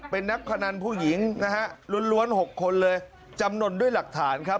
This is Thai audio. เป็นนักพนันผู้หญิงนะฮะล้วน๖คนเลยจำนวนด้วยหลักฐานครับ